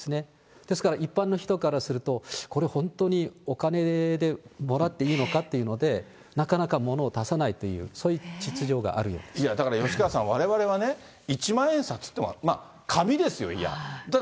ですから、一般の人からすると、これ、本当にお金でもらっていいのかっていうので、なかなかものを出さないという、いやだから、吉川さん、われわれはね、一万円札というのは紙ですよ、いえば。